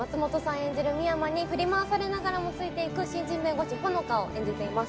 演じる深山に振り回されながらもついていく新人弁護士穂乃果を演じています